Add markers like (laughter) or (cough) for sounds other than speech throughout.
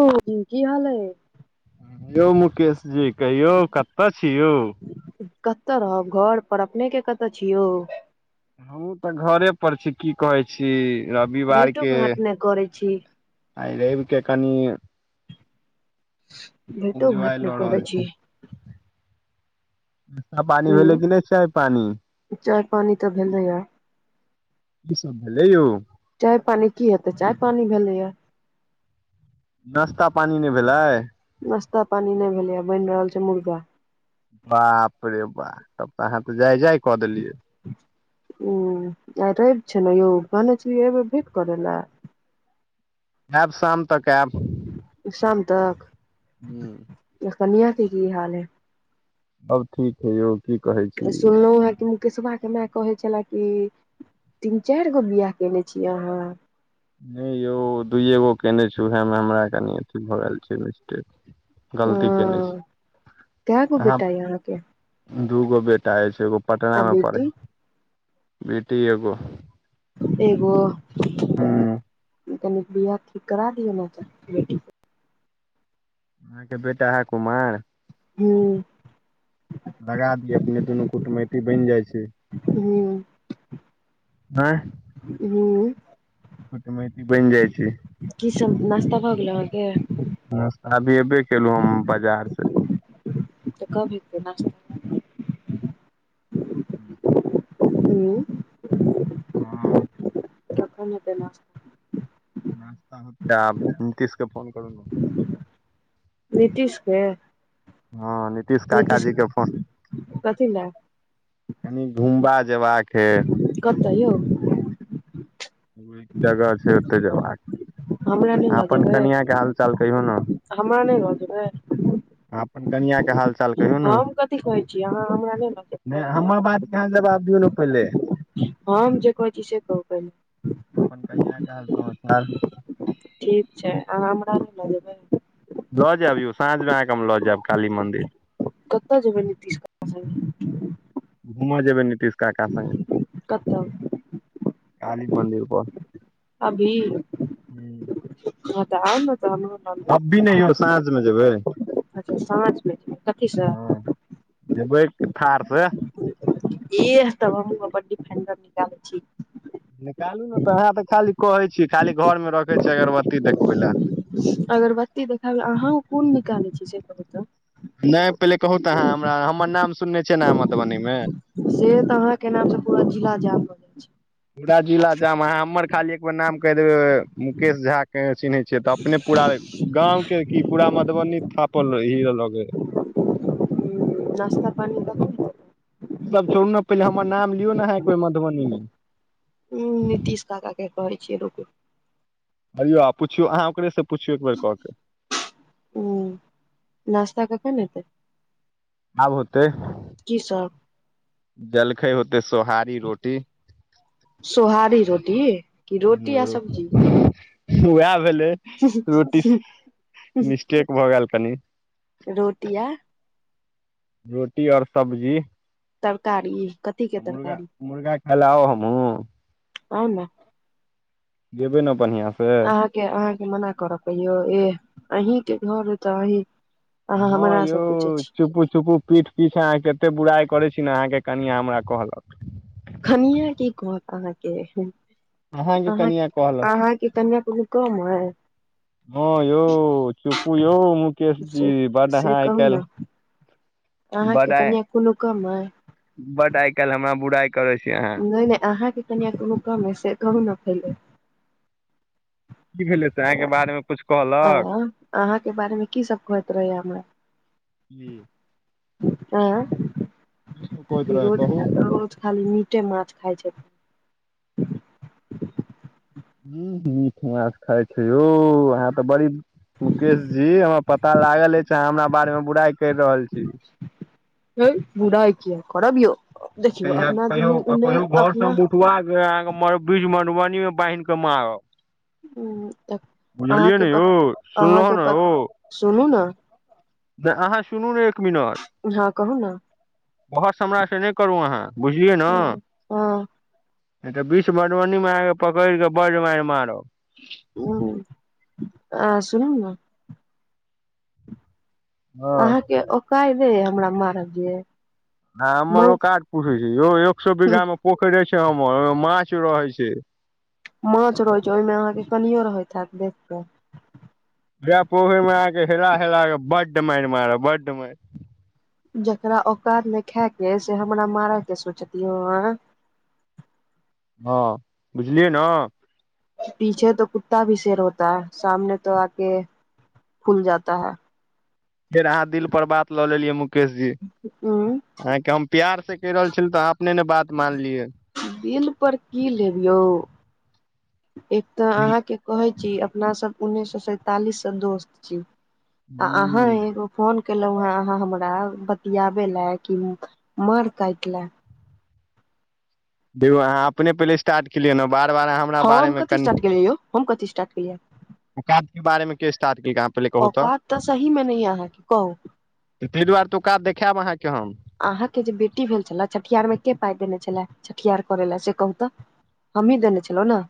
कहू बहीन की हाल अइ? यौ मुकेश जी, कहियौ कतऽ छी यौ? कतऽ रहब घर पर। अपने के कतऽ छी यौ? हमहुँ तऽ घरे पर छी की कहै छी रविवार भेटो के घाट नहि करै छी आइ रैव के कनि (inaudible) भेंटो एन्जॉय घांट नै करै छी? (inaudible) आपानी भेलै हूँ कि नै चाय पानी? चाय पानी त भेलै रहा। की सब भेलै यौ? चाय पानी की हेतै, चाय पानी भेलैया। नश्ता पानी नै भेलै। नाश्ता पानी नै भेलैया, बनि रहल छै मुर्गा। बाप रे बा, तब त अहाँ त जाय जाय क देलियै। ओ, आइ रवि छै ने यौ कहने छेलियै एबै भेंट करै ला? आएब शाम तक आएब। (inaudible) शाम तक हूँ (inaudible) आ कनियाके की हाल ऐ? अब ठीक है यौ। की कहै छी सुनलहुँ है तू किसबा के माए कहै छला कि (inaudible) तीन चारि गो बियाह केने छी अहाँ? नै यौ दुइए गो केने छी, उहेमे हमरा एकटा गलती भा गेल छै मिस्टेक अ गलती केने छी कै गो (inaudible) अहाँ। बेटा य अहाँके दूगो बेटा अछि। एगो आ पटना मे पढ़ै बेटी (inaudible) बेटी एगो एगो? हूं। कनी बिहा ठीक करा दिऔ ने ओकर बेटीके। अहाँके बेटा हा कुमार? हुं। लगा दिअ, अपने दुनू कुटमैती बनि जाइ छी। हुं। आंय (inaudible) कुटमैती बनि जाइ छी। की सब नाश्ता भ गेलै अहाँके? नाश्ता अभी एबे केलहुं हें हम बाजार से। त कब हेतै नाश (inaudible) ह (unintelligible) हँ कखनि हेतै नाश्ता? नाश्ता होतै आब, नीतीश के फोन करू न। नीतीशके? हँ नीतीश काका जी के फोन (inaudible) कथी लए कनी घुमबा जेबाके कत यौ? एक जगह छै ओतै जेबाक ऐ। हमरा नहि अहाँ अपन कनिआंके हाल चाल कहियौ न? आ हमरा नै ल जेबै? अपन कनिया के हाल चाल कहियौ हम कथी कहै छी, आहां हमरा नै ल जे नै हमर बातके आहां जवाब दियौ ने पहिले। हम जे कहै छी से कहु अपन कनिया के हाल पहिले। समाचार ठीक छै अहाँ हमरा नै ल जेबै। ल जाएब यौ, साँझमे अहाँके हम ल जाएब काली मन्दिर। कत जेबै नीतीश कक्का संगे? घूम जेबै नितीश काका संगे, कतऽ निहोरा (inaudible) काली मन्दिर पर। अभी ह त आउ न त हमरो। अभी नहि यौ साँझ मे जेबै चा साझमे कथीसँ (unintelligible) हँ जेबै थार से। इह तब हमहुं अपन डिफेंडर निकालै छी। निकालू ने तऽ वह तऽ खाली कहै छी खाली घर मे रखै छी अगरबत्ती देखबै लए। अगरबत्ती देखाबै आहां कोन निकालै छी से कहु त। नहि पहिले कहू त अहाँ हमरा हमर नाम सुनने छियै ने मधुबनी मे। से तऽ अहाँ के नाम से पूरा जिला जाम। जाइ छै पुरा जिला जाम अहाँ हमर खाली एक बेर नाम कहि देबै। मुकेश झा के चिन्है छियै तऽ अपने पूरा गाँंव के की पूरा मधुबनी थ ही लगै (unintelligible) नश्ता पानि भ गेलै ई सब छोड़ू ने पहिले हमर नाम लियौ ने आहां एकबेर मधुबनीमे उ नितीश काका के कहै छियै रुकू अयौ आ पुछियौ अहाँ ओकरेसँ पुछियौ एक बेरऽ क के हूँ नास्ता कखन हेतै आब होतै की सब जलखै होतै सोहारी रोटी सोहारी रोटी कि रोटी आ सब्जी वएह भेलै रोटी मिस्टेक भऽ गेल कनि रोटी आ रोटी और सब्जी तरकारी कथी के तऽ मुर्गा तरकारी -मुर्गा खाय लै आउ हमहुं आउ ने खियेबे ने बढ़ियां से अहाँके -अहाँके मना करब कहियौ एह अहीं के घर अय त अहीं अहाँ हँ हमरा से पूछै यौ छी चुपु चुपु पीठ पिछा अहाँके एते बुराइ करै छी ने अहाँके कनिया हमरा कहलक खनिया की कहत अहाँके अहाँके आहाँ कनिया कहलक अहाँके कनिया कम अय हँ यौ चुप्पू यौ मुकेश से जी बड से आहाँ आइ कहू ने कैल अहाँके कनिआ कोनो कम अइ बड आइ कैल हमरा बुराइ करै छी अहाँ नहि नहि अहाँके कनिआ कोनो कम अइ से कहूँ ने पहिले की भेलै से अहांके बारेमे कुछ कहलक आँ अहाँके बारेमे की सब कहैत रहैये हमरा की (inaudible) सब एट कहैत ई रहै रोज कहू रोज खाली मीटे माछ खाय छथिन हुँ हुँ मीट माछ खाय छै यौ अहाँ तऽ बड़ी मुकेश जी हमरा पता लागल अइछ अहाँ हमरा बारेमे बुराइ करि रहल छी (unintelligible) बुराई किया करब यौ देखियौ कनिया के अपना दुनू कहियो उन्ने कहियो घर से हम अपना उठबा (unintelligible) आहाँ बीच मधुबनी मे बान्ध क मारब बुझलियै अहाँके ने यौ सुनलहो ने हो सुनु न नै अहाँ सुनू ने एक मिनट, हँ कहू ने बहस हमरा से नहि करू अहाँ बुझलियै न, हँ नहि तऽ बीच मधुबनी मे आहाँ पकड़ कऽ बड्ड मारि मारब। उ आहा सुनु न। हँ अहाँके ओ ओकायद है हमरा मारअ के आहा हमर ओकात पूछै छैय यौ एक सौ बीघा मे पोखरि छै यहमर ओ माछ रहे छैय। माछ रहै छैय ओहिमे अहाँके कनियो रहैत हैत देखबै। ओहे पोखरि मे आके हेला हेला क बड्ड माइर मारब बड्ड माइर। जेकरा औकात न खायके से हमरा मारय के सोचत यो, हँ बुझलियै न, पीछे तो कुत्ता भी शेर होता है सामने तो आके खुल जाता है। फेर अहाँ दिल पर बात लऽ लेलियै मुकेश जी उ अहाँके हम, प्यार से कहि रहल छलौ तऽ आहा अपने ने बात मानलियै। दिल पर की लेबयौ एक तऽ अहाँके, कहै छी अपना सब उन्नैस सौ सैंतालिस से दोस्त छी आ अहाँ एगो, फोन केलहु अहाँ हमरा बतियाबे ले कि मार काट ला, देखौ अहाँ अपने पहिले स्टार्टे केलियै ने बार बार आहाँ, हँ हम कथि स्टार्ट केलेयै यौ हम कथि स्टार्ट केलियै। ओकाद के बारेमे के स्टार्ट केल्कैय अहाँ, पहिले कहू औकात तऽ सही मे नैय अहाँ के कहू, ताहि दुआरे त ओकात देखायब अहाँकेँ हम, अहाँके जे बेटी भेल छला छठिहारमे के पाइ देने छलैहा छठियहार करय लए से कहू तऽ, हमही देने छलौ न,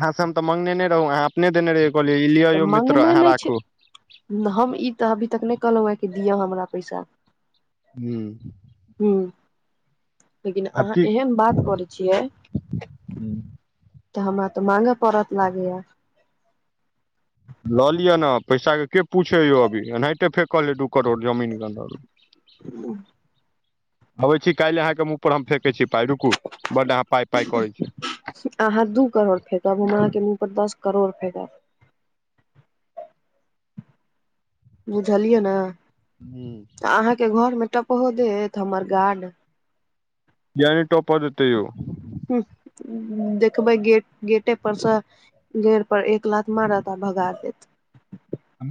अहाँ से हम तऽ मंगने नैय रहू अहाँ अपने देने रहिये कहलियै ई लि तऽ यौ मित्र मंगने अहाँ नहि छै राखू, हम ई तऽ अभी तक नहि कहलहुँ हँ कि दिअ हमरा पैसा। हूँ। हुँ लेकिन अहाँ एहन बात करै छियै, हू। तऽ हमरा तऽ मांगे पड़त लागैया। लऽ लिअ न पैसा के पूछैयौ अभी ऐनाहिते फेकल है डूक। दू करोड़ जमीन के अंदर आबै छी कायल अहाँके मुँह, पर हम फेके छी पाई रुकु बड़ अहाँ पाई पाई करै छी। आहाँ दू करोड़ फेकब हम अहाँके मुँह पर दस करोड़ फेकब, बुझलियै न। हु। आहाँके घर मे टपहो देत हमर गार्ड, किया नैय टपअ देतै यौ, हूं देखबै गेट गेटे परसँ, देड़ पर एक लात मारत आ भगा देत।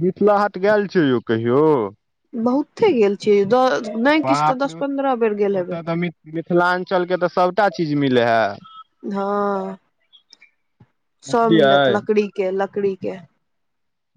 मिथिला हाट गेल छैय यौ कहियौ बहुते गेल छीयै दस बाप रे पन्द्रह बेर गेल हेबै ओतऽ तऽ मि मिथिलाञ्चलके तऽ सभटा चीज मिलै है हँ। सब बुझलियै मिलत लकड़ी के लकड़ी के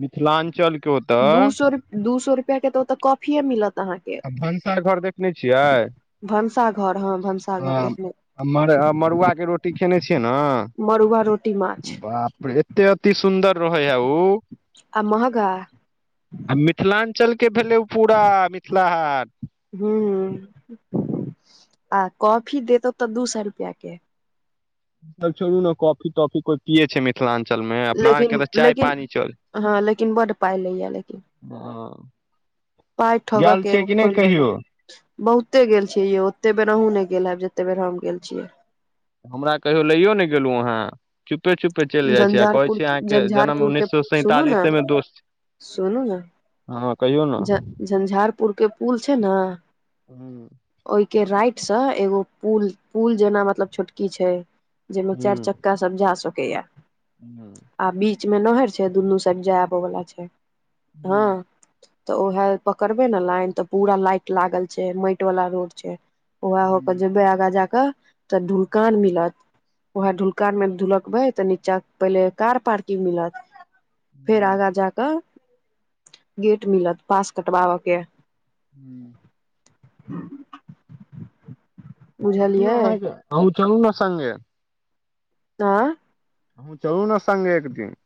मिथिलाञ्चल के ओतऽ दू सौ दू सौ रुपिआ के त ओत कॉफीए मिलत। अहाँके आ भनसा घर देखने छियै? भनसाघर हँ भनसाघर देखने आ मर आ मड़ुआके रोटी खेने छियै न मड़ुआ रोटी माछ (inaudible) बाप रे एते अति सुन्दर रहै हा उ आ महंगा? आ मिथिल़चलके भेलै उ पूरा मिथिला हाट। हुं (inaudible) आ कॉफी देत ओत दू सा रुपआके। अब छोड़ू ने कॉफी तॉफी कोइ पियै छै मिथिलाञ्चलमे अपना लेकिन अरके त चाय लेकिन पानी चलै हँ लेकिन बड्ड पाइ लैया लेकिन हं पाइ ठगके एगो खोलि कहियो लेने‌ बहुते गेल छियै यौ। ओते बेर अहुं नै गेल हैब जते बेर हम गेल छियै हमरा कहियो लैयो ने गेलु अहाँ, चुपे चुप पे चलि जाइ छी आ कहै झंझारपुर छी अहाँके जन्म झंझारपुर के उन्नीस स सुनू ने सैंतालिसेमे दोस सुनू न, (inaudible) झ झंझारपुर के पुल छै न हुं। ओइके राइटसँ एगो पुल, पुल जेना मतलब छोटकी छै। जै मे चारि चक्का सब जा सकैया हूं। आ बीचमे नहरि छै, दुनू साइड जाइ आबै बला छै, हँ। त उहे पकड़बै न लाइन त पूरा लाइट लागल छै, माटि वाला रोड छै। उएह होके जेबै, आगाँ जा क त ढुलकान मिलत। उहे ढुलकानमे ढुलकबै त नीचां पहिले कार पार्किंग मिलत फेर आगाँ जाक गेट मिलत पास कटबाबके। हू (unintelligible) बुझलियै अँहुं चलूने सङ्गे आँ? अहुं चलूने सङगे एक दिन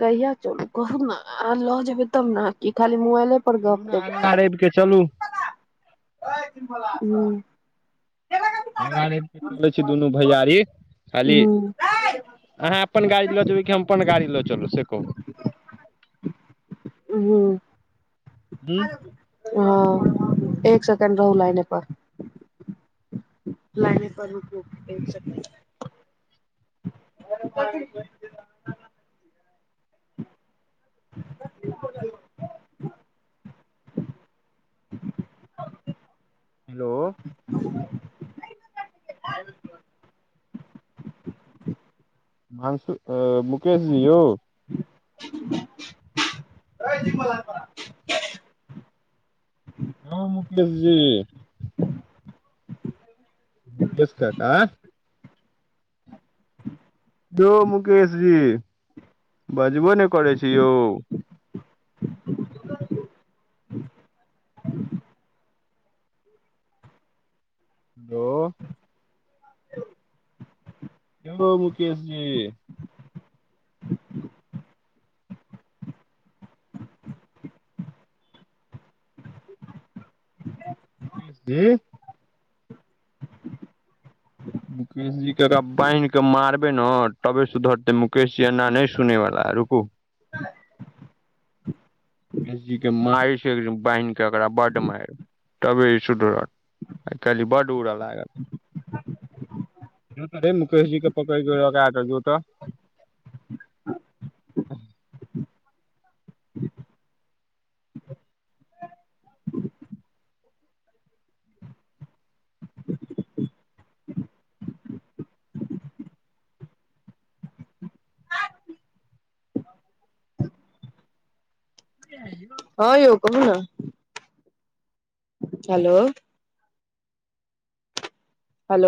कहिया चलू कहू न अहांँ ल जेबै तब न की खाली मोबाइले पर गप चलूने देबै अगिला रबिक चलू (unintelligible) अगिला रबिक चलै छी दुनू भैयारी। खाली हूं। (unintelligible) अहाँ अपन गाड़ी ल जेबै कि हम अपन गाड़ी ल चलू से कहू (inaudible) हुं। हूँ हं (inaudible) एक सेकंड रहू लाइने पर। लाइने पर रुकू एक सेकेंड (unintelligible) (unintelligible) (inaudible) हेलो। ह मानसु अ मुकेशजी यौ। (unintelligible) हँ मुकेेश जी (inaudible) पुष्कर आँ - (inaudible) यौ मुकेश जी बजबो ने करै छी, यौ। हेलो (inaudible) यौ मुकेश जी (inaudible) मुकेश जी मुकेश जीे एकरा बान्हि कऽ मारबै ने तबे सुधरतै मुकेशजी आना नय सुनैवला रुकू। (unintelligible) मुकेश जी के मार छै एक बहिनक के एकरा बड्ड मार तबे ई सुधरत। आय काइहल बड उरा लागल हे मुकेशजी के पकड़ क लक आ त जो त। (inaudible) हँ यौ कहु न हेलो हेलो